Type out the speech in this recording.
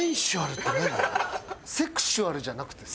「セクシュアル」じゃなくて。